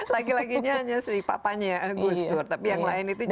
laki lakinya hanya sih papanya gus dur tapi yang lain itu jadi